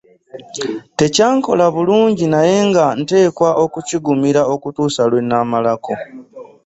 Tekyankola bulungi naye nga nteekwa okukigumira okutuusa lwe namalako.